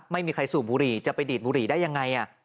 ไม่มีใครสูบบุหรี่จะไปดีดบุหรี่ได้ยังไง